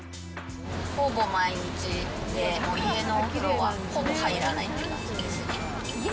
ほぼ毎日、家のお風呂はほぼ入らないって感じですね。